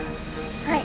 はい。